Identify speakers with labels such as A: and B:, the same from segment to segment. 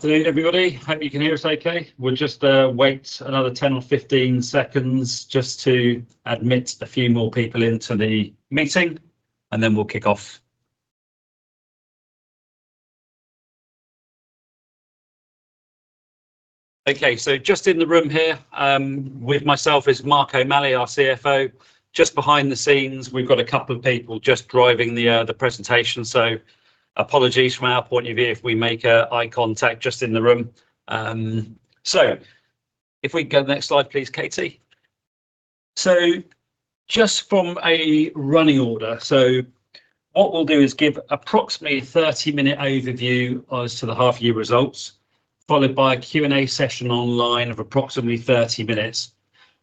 A: Afternoon, everybody. Hope you can hear us okay. We'll just wait another 10 or 15 seconds just to admit a few more people into the meeting, and then we'll kick off. Okay, just in the room here with myself is Mark O'Malley, our CFO. Just behind the scenes, we've got a couple of people just driving the presentation, so apologies from our point of view if we make eye contact just in the room. If we can go next slide, please, Katie. Just from a running order, so what we'll do is give approximately a 30-minute overview as to the half-year results, followed by a Q&A session online of approximately 30 minutes.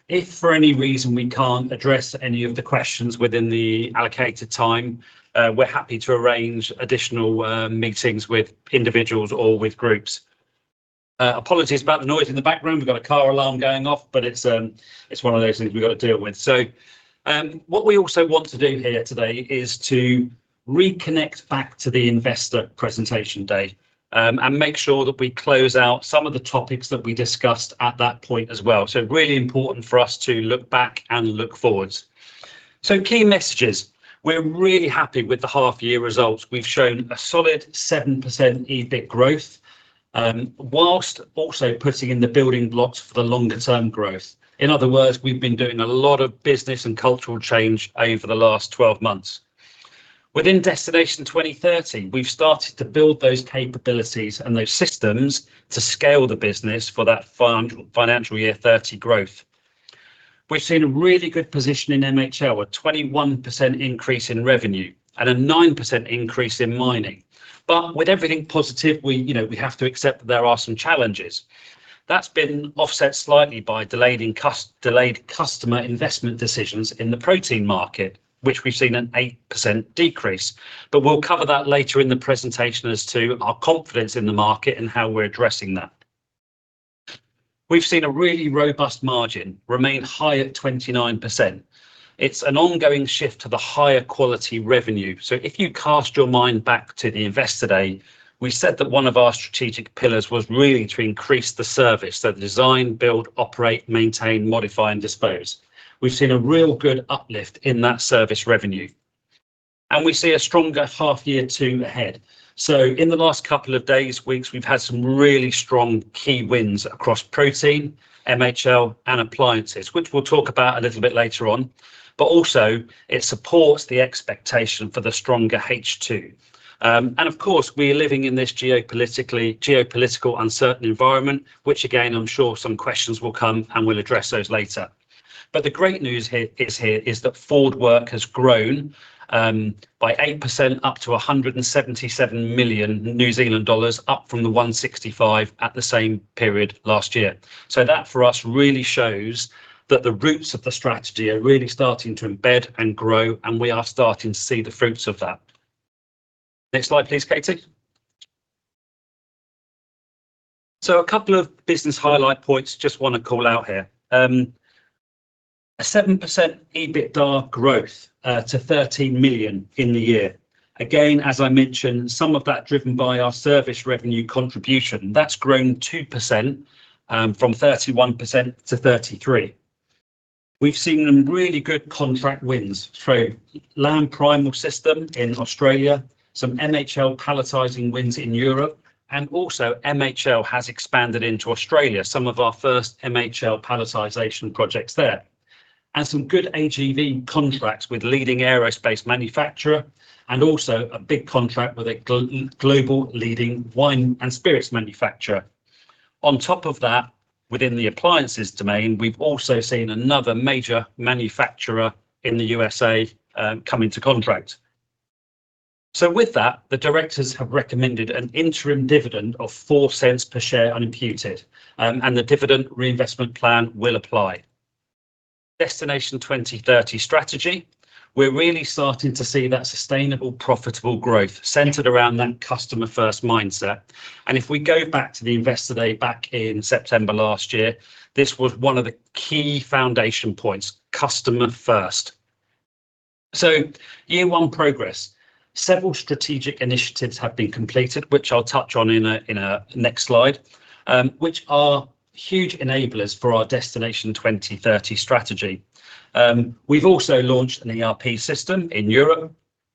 A: If for any reason we can't address any of the questions within the allocated time, we're happy to arrange additional meetings with individuals or with groups. Apologies about the noise in the back room. We've got a car alarm going off, but it's one of those things we've got to deal with. What we also want to do here today is to reconnect back to the investor presentation day, and make sure that we close out some of the topics that we discussed at that point as well. Really important for us to look back and look forwards. Key messages. We're really happy with the half year results. We've shown a solid 7% EBIT growth, whilst also putting in the building blocks for the longer term growth. In other words, we've been doing a lot of business and cultural change over the last 12 months. Within Destination 2030, we've started to build those capabilities and those systems to scale the business for that financial year 2030 growth. We've seen a really good position in MHL, a 21% increase in revenue and a 9% increase in mining. With everything positive, we have to accept that there are some challenges. That's been offset slightly by delayed customer investment decisions in the protein market, which we've seen an 8% decrease, but we'll cover that later in the presentation as to our confidence in the market and how we're addressing that. We've seen a really robust margin remain high at 29%. It's an ongoing shift to the higher quality revenue. If you cast your mind back to the Investor Day, we said that one of our strategic pillars was really to increase the service. The design, build, operate, maintain, modify, and dispose. We've seen a real good uplift in that service revenue, and we see a stronger half year two ahead. In the last couple of days, weeks, we've had some really strong key wins across Protein, MHL, and Appliances, which we'll talk about a little bit later on. It supports the expectation for the stronger H2. Of course, we are living in this geopolitical uncertain environment, which again, I'm sure some questions will come, and we'll address those later. The great news is here is that forward work has grown by 8%, up to 177 million New Zealand dollars, up from the 165 at the same period last year. That for us really shows that the roots of the strategy are really starting to embed and grow, and we are starting to see the fruits of that. Next slide, please, Katie. A couple of business highlight points just want to call out here. A 7% EBITDA growth, to 13 million in the year. Again, as I mentioned, some of that driven by our service revenue contribution. That's grown 2%, from 31%-33%. We've seen some really good contract wins through Lamb Primal System in Australia, some MHL palletizing wins in Europe, and also MHL has expanded into Australia, some of our first MHL palletization projects there. Some good AGV contracts with leading aerospace manufacturer and also a big contract with a global leading wine and spirits manufacturer. On top of that, within the appliances domain, we've also seen another major manufacturer in the USA come into contract. With that, the directors have recommended an interim dividend of 0.04 per share unimputed, and the dividend reinvestment plan will apply. Destination 2030 strategy, we're really starting to see that sustainable, profitable growth centered around that customer-first mindset. If we go back to the Investor Day back in September last year, this was one of the key foundation points, Customer First. Year One progress. Several strategic initiatives have been completed, which I'll touch on in a next slide, which are huge enablers for our Destination 2030 strategy. We've also launched an ERP system in Europe,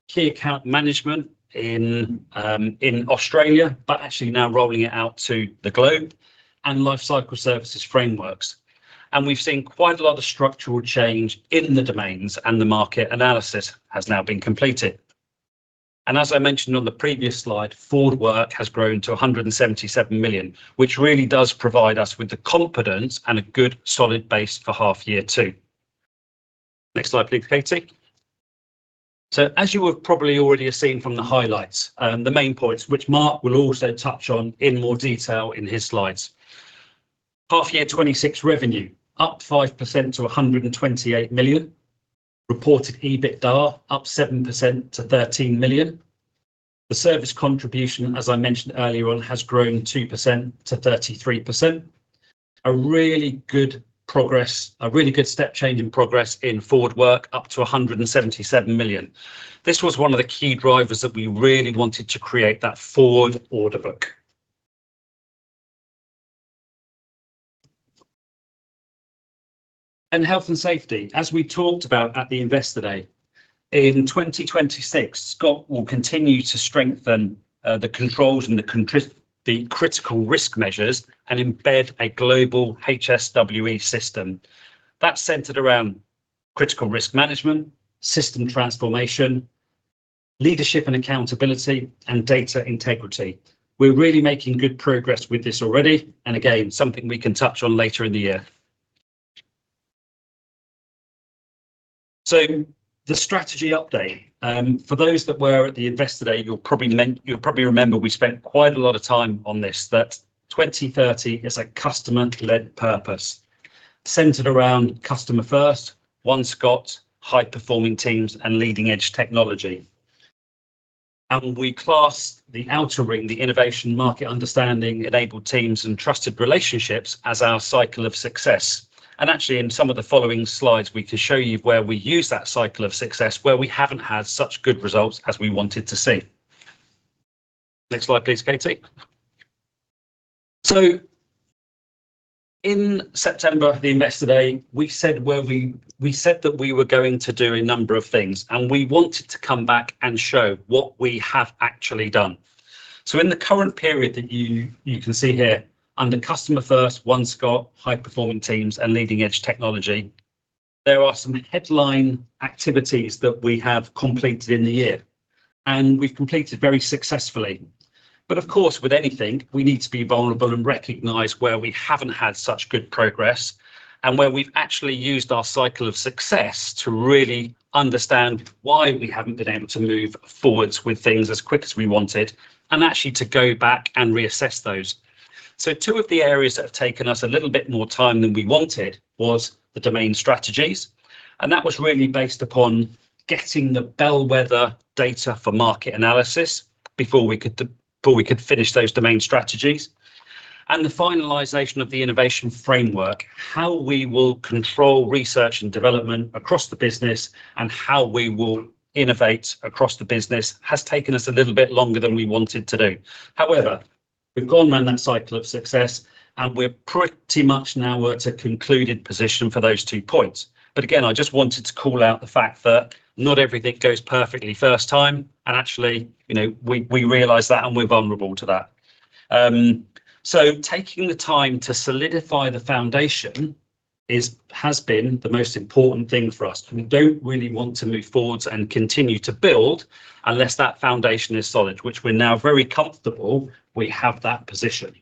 A: Key Account Management in Australia, but actually now rolling it out to the globe, and Lifecycle Services frameworks. We've seen quite a lot of structural change in the domains, and the market analysis has now been completed. As I mentioned on the previous slide, forward work has grown to 177 million, which really does provide us with the confidence and a good solid base for half year two. Next slide, please, Katie. As you have probably already have seen from the highlights, the main points, which Mark O'Malley will also touch on in more detail in his slides, half year 2026 revenue up 5% to 128 million. Reported EBITDA up 7% to 13 million. The service contribution, as I mentioned earlier on, has grown 2% to 33%. A really good step change in progress in forward work, up to 177 million. This was one of the key drivers that we really wanted to create that forward order book. Health and Safety, as we talked about at the Investor Day, in 2026, Scott will continue to strengthen the controls and the critical risk measures and embed a global HSWE system that's centered around critical risk management, system transformation, leadership and accountability, and data integrity. We're really making good progress with this already, and again, something we can touch on later in the year. The strategy update. For those that were at the Investor Day, you'll probably remember we spent quite a lot of time on this, that 2030 is a customer-led purpose centered around Customer First, One Scott, High-Performing Teams, and Leading-Edge Technology. We class the outer ring, the innovation, market understanding, enabled teams, and trusted relationships, as our cycle of success. Actually, in some of the following slides, we can show you where we use that cycle of success where we haven't had such good results as we wanted to see. Next slide, please, Katie. In September, the Investor Day, we said that we were going to do a number of things, and we wanted to come back and show what we have actually done. In the current period that you can see here, under Customer First, One Scott, High-Performing Teams, and Leading-Edge Technology, there are some headline activities that we have completed in the year. We've completed very successfully. Of course, with anything, we need to be vulnerable and recognize where we haven't had such good progress, and where we've actually used our cycle of success to really understand why we haven't been able to move forward with things as quick as we wanted and actually to go back and reassess those. Two of the areas that have taken us a little bit more time than we wanted was the domain strategies. That was really based upon getting the bellwether data for market analysis before we could finish those domain strategies. The finalization of the innovation framework, how we will control research and development across the business and how we will innovate across the business, has taken us a little bit longer than we wanted to do. However, we've gone around that cycle of success, and we're pretty much now at a concluded position for those two points. Again, I just wanted to call out the fact that not everything goes perfectly first time. Actually, we realize that, and we're vulnerable to that. Taking the time to solidify the foundation has been the most important thing for us. We don't really want to move forwards and continue to build unless that foundation is solid, which we're now very comfortable we have that position.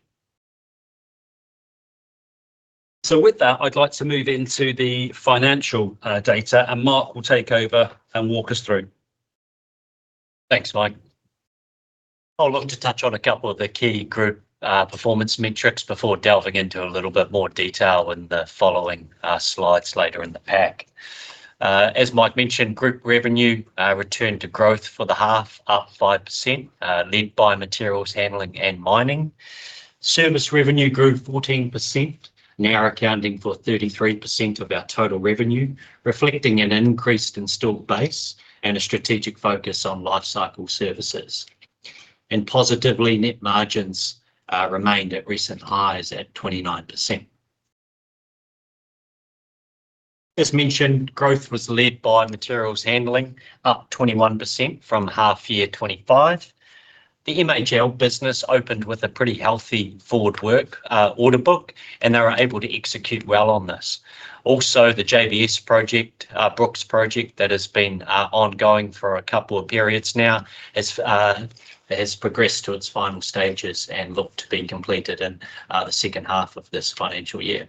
A: With that, I'd like to move into the financial data, and Mark O'Malley will take over and walk us through.
B: Thanks, Mike. I'd love to touch on a couple of the key Group performance metrics before delving into a little bit more detail in the following slides later in the pack. As Mike mentioned, Group revenue returned to growth for the half up 5%, led by Materials Handling and Mining. Service revenue grew 14%, now accounting for 33% of our total revenue, reflecting an increased installed base and a strategic focus on lifecycle services. Positively, net margins remained at recent highs at 29%. As mentioned, growth was led by Materials Handling, up 21% from half year 2025. The MHL business opened with a pretty healthy forward work order book, and they were able to execute well on this. Also, the JBS project, Brooks project, that has been ongoing for a couple of periods now, has progressed to its final stages and looked to being completed in the second half of this financial year.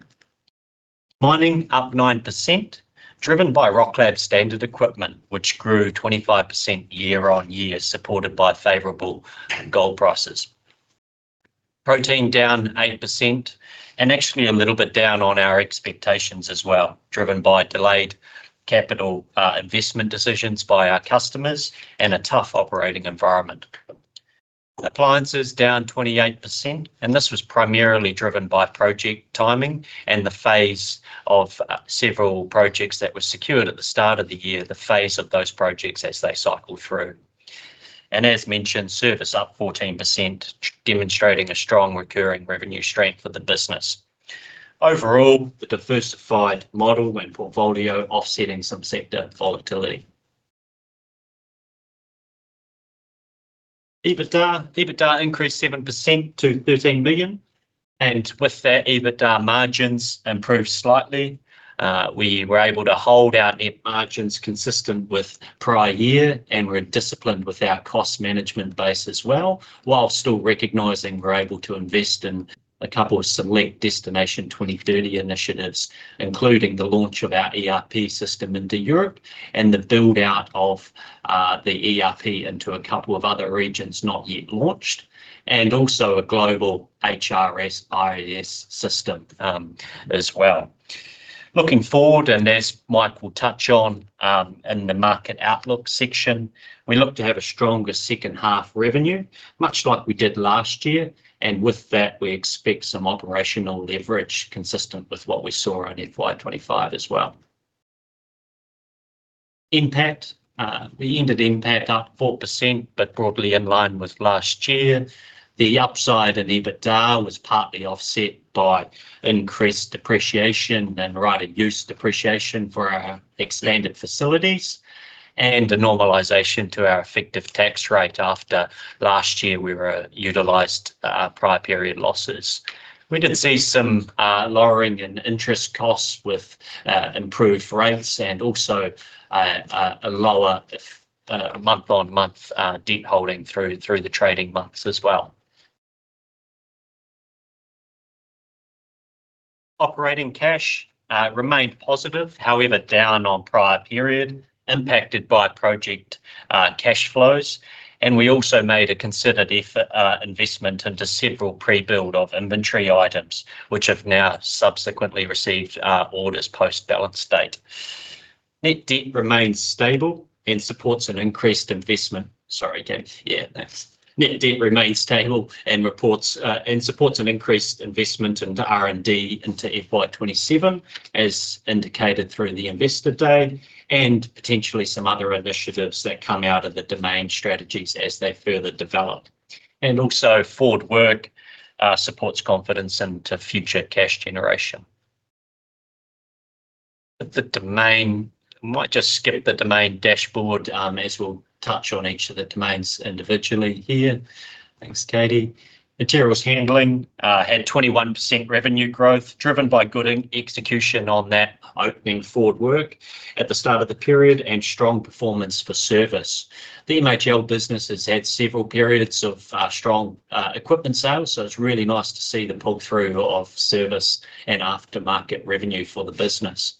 B: Mining up 9%, driven by Rocklabs standard equipment, which grew 25% year-on-year, supported by favorable gold prices. Protein down 8% and actually a little bit down on our expectations as well, driven by delayed capital investment decisions by our customers and a tough operating environment. Appliances down 28%, and this was primarily driven by project timing and the phase of several projects that were secured at the start of the year, the phase of those projects as they cycled through. As mentioned, Service up 14%, demonstrating a strong recurring revenue stream for the business. Overall, the diversified model and portfolio offsetting some sector volatility. EBITDA increased 7% to 13 million, and with that, EBITDA margins improved slightly. We were able to hold our net margins consistent with the prior year, and we're disciplined with our cost management base as well, while still recognizing we're able to invest in a couple of select Destination 2030 initiatives, including the launch of our ERP system into Europe and the build-out of the ERP into a couple of other regions not yet launched, and also a global HRS-IRS system as well. Looking forward, and as Mike will touch on in the market outlook section, we look to have a stronger second half revenue, much like we did last year. With that, we expect some operational leverage consistent with what we saw in FY 2025 as well. NPAT. We ended NPAT up 4%, but broadly in line with last year. The upside in EBITDA was partly offset by increased depreciation and right-of-use depreciation for our extended facilities, and a normalization to our effective tax rate after last year we utilized our prior period losses. We did see some lowering in interest costs with improved rates and also a lower month-on-month debt holding through the trading months as well. Operating cash remained positive, however, down on prior period, impacted by project cash flows. We also made a considered investment into several pre-build of inventory items, which have now subsequently received orders post-balance date. Sorry, Katie. Yeah. Net debt remains stable and supports an increased investment into R&D into FY 2027, as indicated through the Investor Day, and potentially some other initiatives that come out of the domain strategies as they further develop. Forward work supports confidence into future cash generation. I might just skip the domain dashboard, as we'll touch on each of the domains individually here. Thanks, Katie. Materials Handling had 21% revenue growth, driven by good execution on that opening forward work at the start of the period and strong performance for service. The MHL business has had several periods of strong equipment sales, so it's really nice to see the pull-through of service and aftermarket revenue for the business.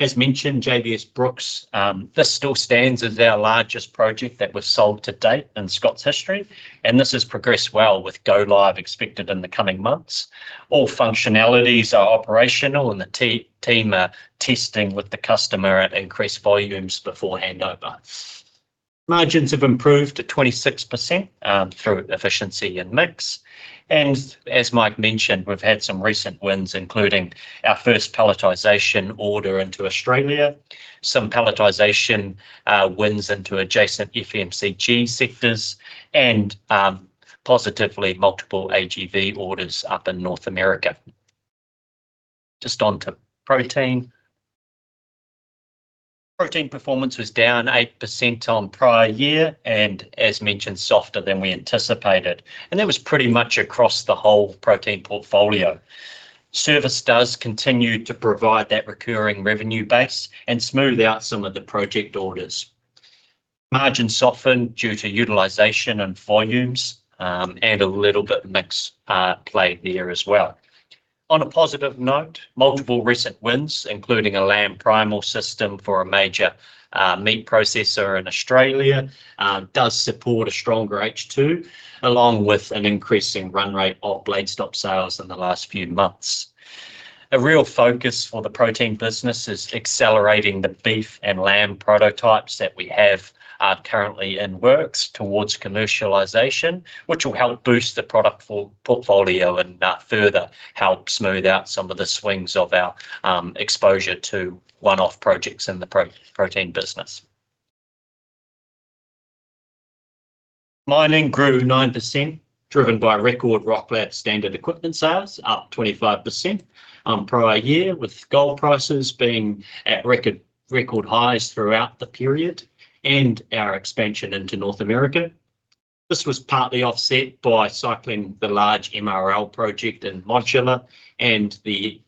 B: As mentioned, JBS Brooks, this still stands as our largest project that was sold to date in Scott's history, and this has progressed well, with go-live expected in the coming months. All functionalities are operational and the team are testing with the customer at increased volumes before handover. Margins have improved to 26% through efficiency and mix. As Mike mentioned, we've had some recent wins, including our first palletisation order into Australia, some palletisation wins into adjacent FMCG sectors, and, positively, multiple AGV orders up in North America. Just on to Protein. Protein performance was down 8% on prior year and, as mentioned, softer than we anticipated. That was pretty much across the whole Protein portfolio. Service does continue to provide that recurring revenue base and smooth out some of the project orders. Margins softened due to utilization and volumes, and a little bit mix play there as well. On a positive note, multiple recent wins, including a Lamb Primal System for a major meat processor in Australia, does support a stronger H2, along with an increasing run rate of BladeStop sales in the last few months. Real focus for the Protein business is accelerating the beef and lamb prototypes that we have currently in works towards commercialization, which will help boost the product portfolio and further help smooth out some of the swings of our exposure to one-off projects in the Protein business. Mining grew 9%, driven by record Rocklabs standard equipment sales up 25% on prior year, with gold prices being at record highs throughout the period and our expansion into North America. This was partly offset by cycling the large MHL project in Modular and the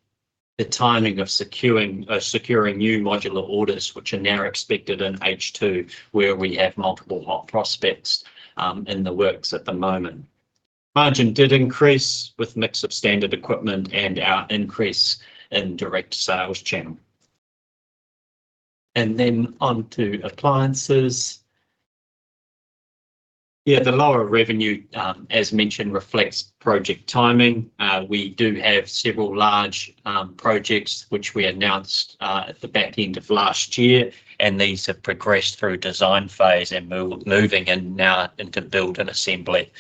B: timing of securing new Modular orders, which are now expected in H2, where we have multiple hot prospects in the works at the moment. Margin did increase with mix of standard equipment and our increase in direct sales channel. On to Appliances, yeah, the lower revenue, as mentioned, reflects project timing. We do have several large projects which we announced at the back end of last year, and these have progressed through design phase and moving in now into build and assembly.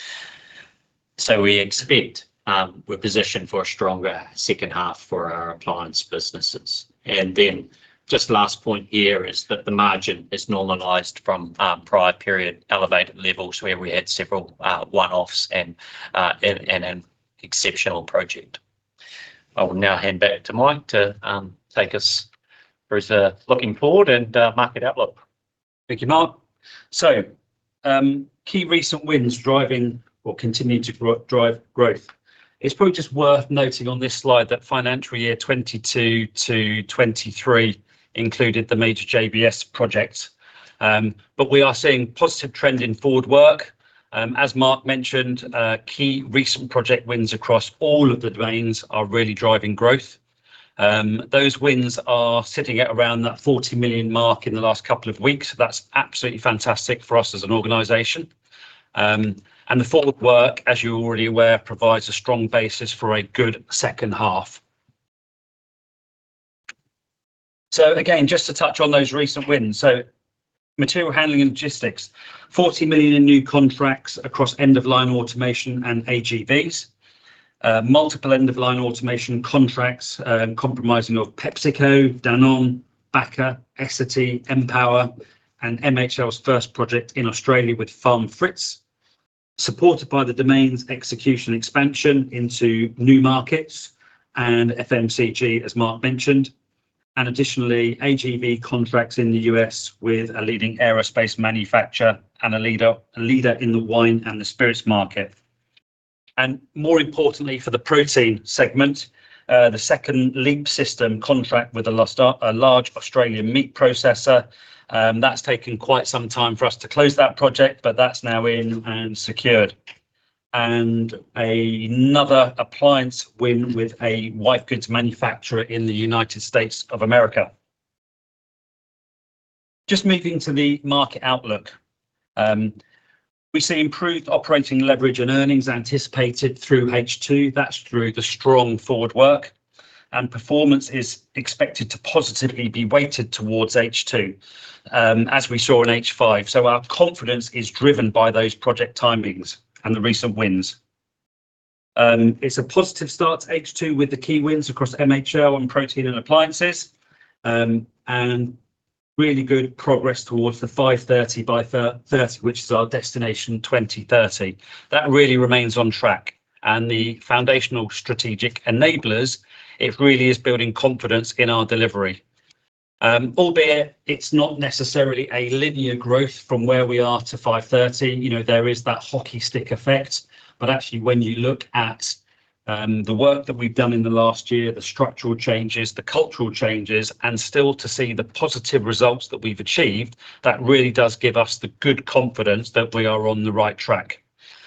B: We expect we're positioned for a stronger second half for our Appliance businesses. Just last point here is that the margin is normalized from prior period elevated levels where we had several one-offs and an exceptional project. I will now hand back to Mike to take us through the looking forward and market outlook.
A: Thank you, Mark. Key recent wins driving or continuing to drive growth. It's probably just worth noting on this slide that financial year 2022-2023 included the major JBS project. We are seeing positive trend in forward work. As Mark mentioned, key recent project wins across all of the domains are really driving growth. Those wins are sitting at around that 40 million mark in the last couple of weeks. That's absolutely fantastic for us as an organization. The forward work, as you're already aware, provides a strong basis for a good second half. Again, just to touch on those recent wins, Material Handling and Logistics, 40 million in new contracts across end-of-line automation and AGVs. Multiple end-of-line automation contracts comprising of PepsiCo, Danone, Bacardi, Essity, Amcor, and MHL's first project in Australia with Farm Frites, supported by the domain's execution expansion into new markets and FMCG, as Mark O'Malley mentioned. Additionally, AGV contracts in the U.S. with a leading aerospace manufacturer and a leader in the wine and the spirits market. More importantly, for the Protein segment, the second LEAP system contract with a large Australian meat processor. That's taken quite some time for us to close that project, but that's now in and secured. Another Appliance win with a white goods manufacturer in the United States of America. Just moving to the market outlook. We see improved operating leverage and earnings anticipated through H2. That's through the strong forward work, and performance is expected to positively be weighted towards H2, as we saw in H1. Our confidence is driven by those project timings and the recent wins. It's a positive start to H2 with the key wins across MHL and Protein and Appliances, and really good progress towards the 530 million by 2030, which is our Destination 2030. That really remains on track. The foundational strategic enablers, it really is building confidence in our delivery. Albeit it's not necessarily a linear growth from where we are to 530 million, there is that hockey stick effect. Actually, when you look at the work that we've done in the last year, the structural changes, the cultural changes, and still to see the positive results that we've achieved, that really does give us the good confidence that we are on the right track.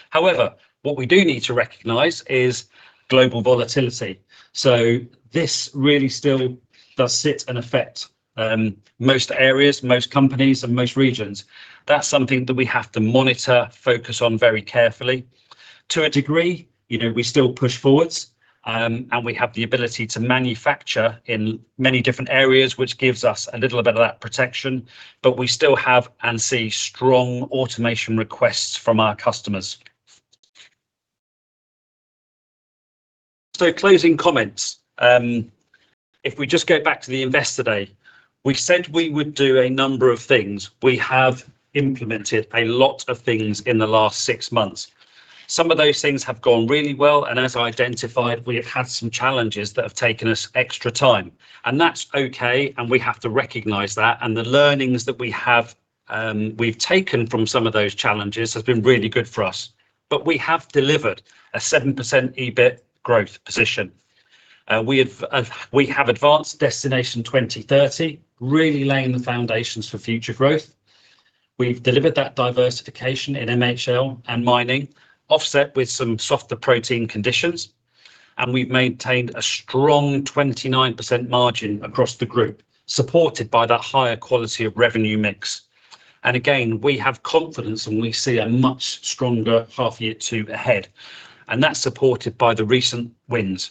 A: However, what we do need to recognize is global volatility. This really still does sit and affect most areas, most companies, and most regions. That's something that we have to monitor, focus on very carefully. To a degree, we still push forwards, and we have the ability to manufacture in many different areas, which gives us a little bit of that protection. We still have and see strong automation requests from our customers. Closing comments. If we just go back to the Investor Day, we said we would do a number of things. We have implemented a lot of things in the last six months. Some of those things have gone really well, and, as identified, we have had some challenges that have taken us extra time, and that's okay, and we have to recognize that. The learnings that we've taken from some of those challenges has been really good for us. We have delivered a 7% EBIT growth position. We have advanced Destination 2030, really laying the foundations for future growth. We've delivered that diversification in MHL and mining, offset with some softer Protein conditions, and we've maintained a strong 29% margin across the group, supported by that higher quality of revenue mix. Again, we have confidence, and we see a much stronger half year two ahead, and that's supported by the recent wins.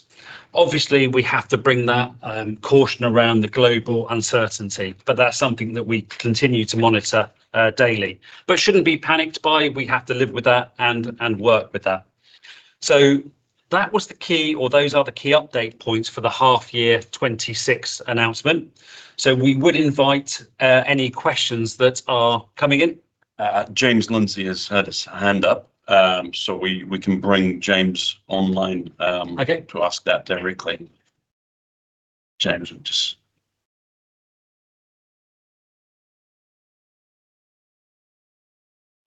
A: Obviously, we have to bring that caution around the global uncertainty, but that's something that we continue to monitor daily but shouldn't be panicked by. We have to live with that and work with that. That was the key, or those are the key update points for the half year 2026 announcement. We would invite any questions that are coming in.
C: James Lindsay has had his hand up. We can bring James online.
A: Okay
C: To ask that directly.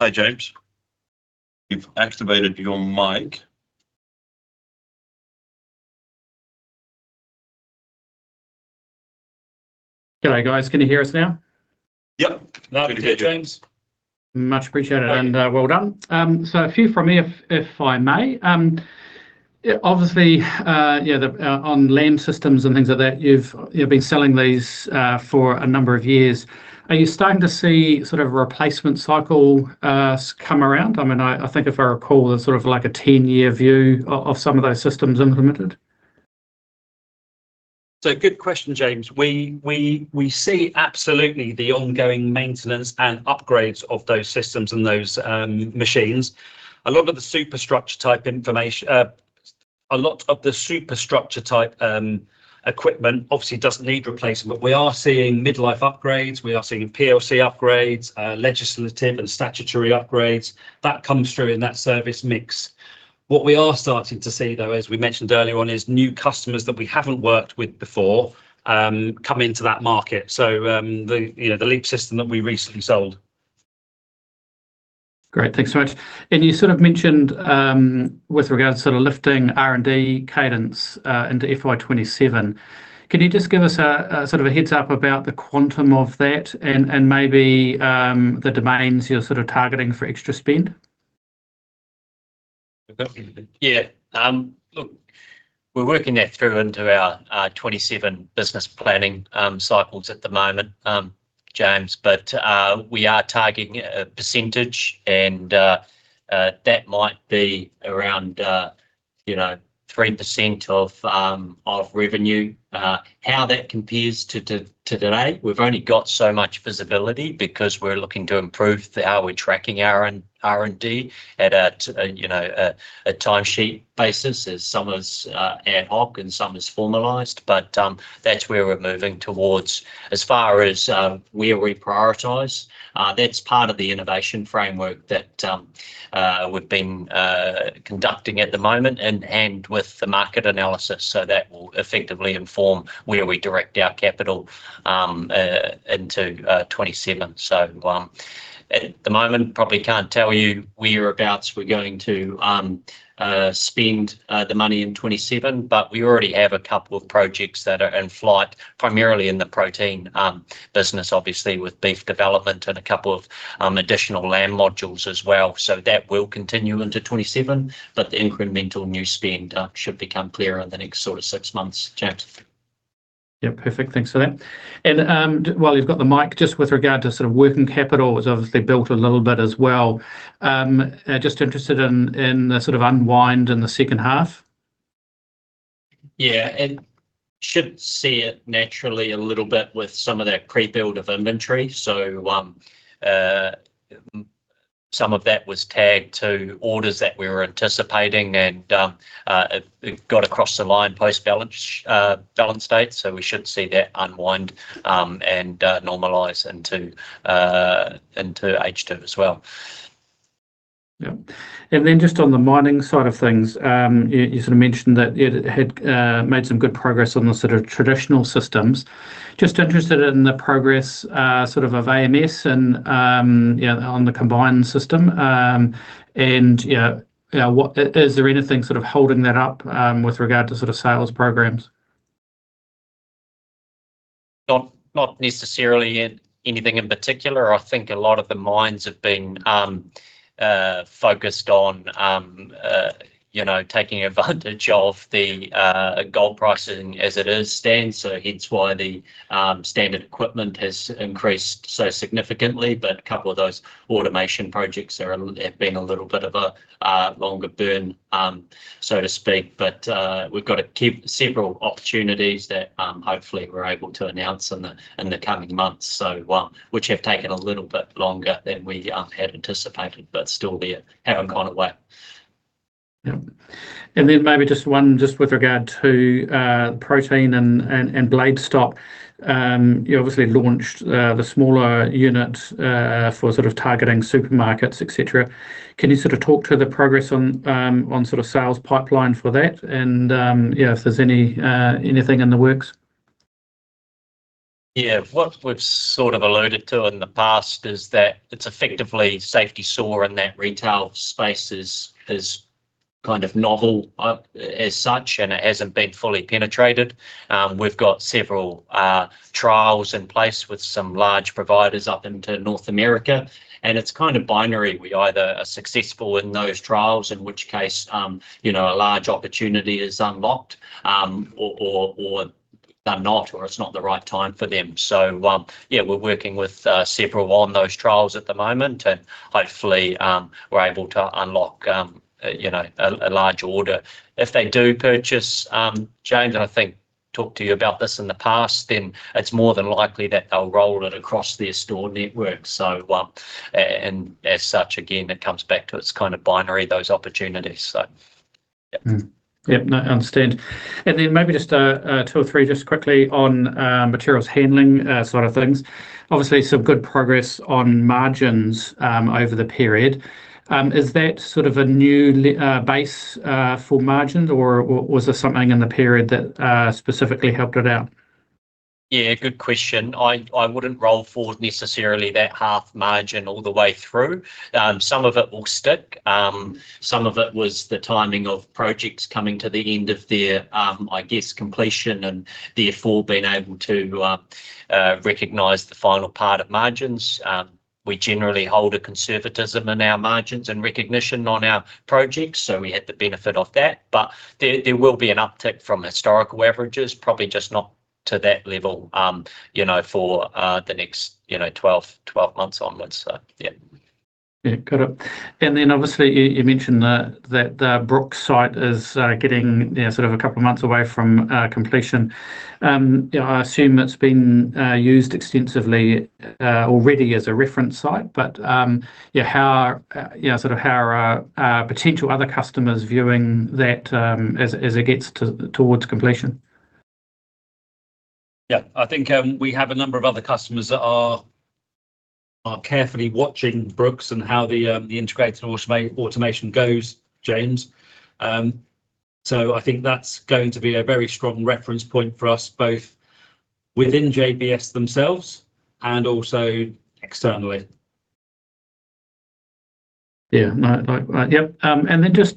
C: Hi, James Lindsay. You've activated your mic.
D: Good day, guys. Can you hear us now?
C: Yep.
A: Lovely to hear you, James.
D: Much appreciated and well done. A few from me, if I may. Obviously, on LEAP systems and things like that, you've been selling these for a number of years. Are you starting to see a replacement cycle come around? I think if I recall, there's a 10-year view of some of those systems implemented.
A: It's a good question, James. We see absolutely the ongoing maintenance and upgrades of those systems and those machines. A lot of the superstructure-type equipment obviously doesn't need replacement. We are seeing mid-life upgrades, we are seeing PLC upgrades, legislative and statutory upgrades. That comes through in that service mix. What we are starting to see, though, as we mentioned earlier on, is new customers that we haven't worked with before come into that market, so the LEAP system that we recently sold.
D: Great. Thanks so much. You sort of mentioned with regards to lifting R&D cadence into FY 2027. Can you just give us a heads-up about the quantum of that and maybe the domains you're targeting for extra spend?
B: Yeah. Look, we're working that through into our 2027 business planning cycles at the moment. James, we are targeting a percentage, and that might be around 3% of revenue. How that compares to today, we've only got so much visibility because we're looking to improve how we're tracking our R&D at a timesheet basis, as some is ad hoc and some is formalized. That's where we're moving towards. As far as where we prioritize, that's part of the innovation framework that we've been conducting at the moment and with the market analysis, so that will effectively inform where we direct our capital into 2027. At the moment, probably can't tell you whereabouts we're going to spend the money in 2027. We already have a couple of projects that are in flight, primarily in the Protein business, obviously with beef development and a couple of additional lamb modules as well. That will continue into 2027, but the incremental new spend should become clearer in the next six months, James.
D: Yeah, perfect. Thanks for that. While you've got the mic, just with regard to working capital is obviously built a little bit as well. Just interested in the unwind in the second half.
B: Yeah. We should see it naturally a little bit with some of that pre-build of inventory. Some of that was tagged to orders that we were anticipating, and it got across the line post balance date. We should see that unwind and normalize into H2 as well.
D: Yep. Just on the mining side of things, you mentioned that it had made some good progress on the traditional systems. Just interested in the progress of AMS and on the combined system. Is there anything holding that up with regard to sales programs?
B: Not necessarily anything in particular. I think a lot of the mines have been focused on taking advantage of the gold pricing as it stands, hence why the standard equipment has increased so significantly. A couple of those automation projects have been a little bit of a longer burn, so to speak. We've got several opportunities that hopefully we're able to announce in the coming months, which have taken a little bit longer than we had anticipated, but still there, haven't gone away.
D: Yep. Maybe just one with regard to Protein and BladeStop. You obviously launched the smaller unit for targeting supermarkets, et cetera. Can you talk to the progress on sales pipeline for that and if there's anything in the works?
B: Yeah. What we've alluded to in the past is that it's effectively safety saw in that retail space is kind of novel as such, and it hasn't been fully penetrated. We've got several trials in place with some large providers up into North America, and it's kind of binary. We either are successful in those trials, in which case a large opportunity is unlocked, or they're not, or it's not the right time for them. Yeah, we're working with several on those trials at the moment, and hopefully we're able to unlock a large order. If they do purchase, James, and I think talked to you about this in the past, then it's more than likely that they'll roll it across their store network. As such, again, it comes back to it's kind of binary, those opportunities. Yeah.
D: Yep. No, I understand. Maybe just two or three just quickly on Materials Handling sort of things. Obviously, some good progress on margins over the period. Is that a new base for margins, or was there something in the period that specifically helped it out?
B: Yeah, good question. I wouldn't roll forward necessarily that half margin all the way through. Some of it will stick. Some of it was the timing of projects coming to the end of their, I guess, completion and therefore being able to recognize the final part of margins. We generally hold a conservatism in our margins and recognition on our projects, so we hit the benefit of that. There will be an uptick from historical averages, probably just not to that level for the next 12 months onwards. Yeah.
D: Yeah. Got it. Obviously you mentioned that the Brooks site is getting a couple of months away from completion. I assume it's been used extensively already as a reference site. How are potential other customers viewing that as it gets towards completion?
A: Yeah, I think we have a number of other customers that are carefully watching Brooks and how the integrated automation goes, James. I think that's going to be a very strong reference point for us, both within JBS themselves and also externally.
D: Yeah. Right. Yep.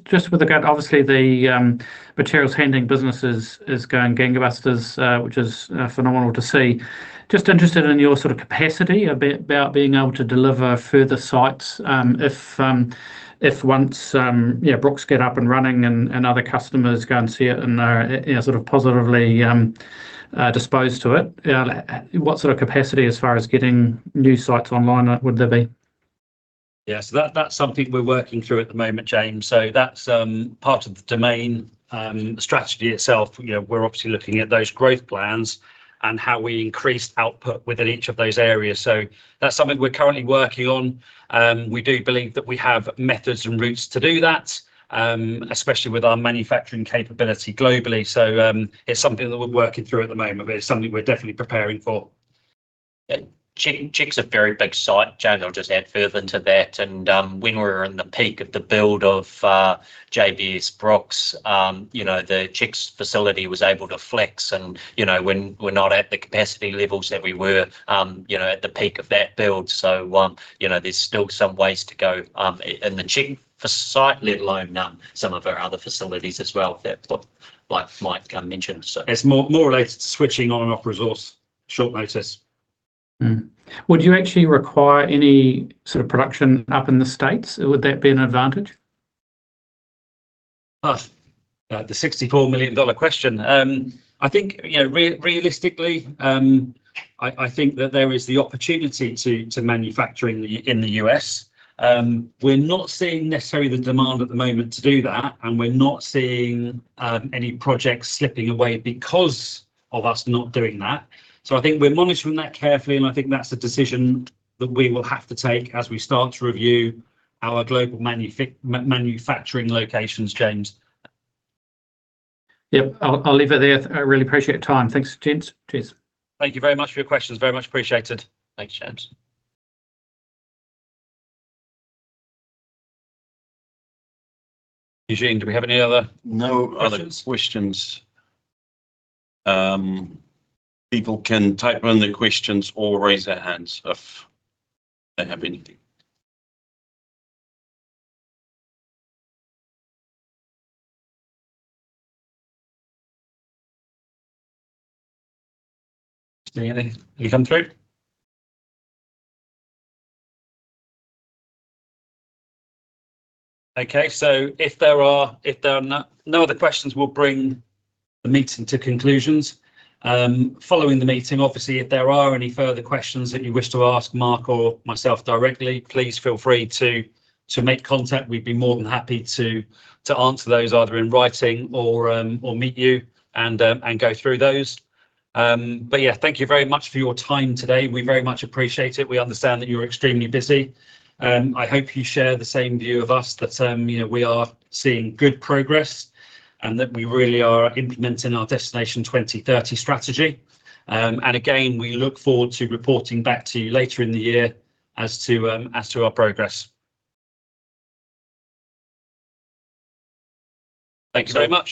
D: Just with regard, obviously, the Materials Handling business is going gangbusters, which is phenomenal to see. Just interested in your capacity about being able to deliver further sites once Brooks get up and running and other customers go and see it and are positively disposed to it. What sort of capacity as far as getting new sites online would there be?
A: Yeah. That's something we're working through at the moment, James. That's part of the domain strategy itself. We're obviously looking at those growth plans and how we increase output within each of those areas. That's something we're currently working on. We do believe that we have methods and routes to do that, especially with our manufacturing capability globally. It's something that we're working through at the moment, but it's something we're definitely preparing for.
B: Chicks are a very big site, James. I'll just add further to that. When we were in the peak of the build of JBS Brooks, the Chicks facility was able to flex. When we're not at the capacity levels that we were at the peak of that build, there's still some ways to go. The chicken facility, let alone some of our other facilities as well, like Mike mentioned.
A: It's more related to switching on and off resource short notice.
D: Would you actually require any sort of production up in the States? Would that be an advantage?
A: Oh, the $64 million question. I think, realistically, I think that there is the opportunity to manufacturing in the U.S. We're not seeing necessarily the demand at the moment to do that, and we're not seeing any projects slipping away because of us not doing that. I think we're monitoring that carefully, and I think that's a decision that we will have to take as we start to review our global manufacturing locations, James.
D: Yep, I'll leave it there. I really appreciate your time. Thanks, gents. Cheers.
A: Thank you very much for your questions. Very much appreciated.
B: Thanks, James.
A: Eugene, do we have any other questions?
C: No questions. People can type in their questions or raise their hands if they have anything.
A: Anything come through? Okay. If there are no other questions, we'll bring the meeting to conclusions. Following the meeting, obviously, if there are any further questions that you wish to ask Mark or myself directly, please feel free to make contact. We'd be more than happy to answer those either in writing or meet you and go through those. Yeah, thank you very much for your time today. We very much appreciate it. We understand that you're extremely busy. I hope you share the same view of us that we are seeing good progress and that we really are implementing our Destination 2030 strategy. Again, we look forward to reporting back to you later in the year as to our progress. Thank you so much.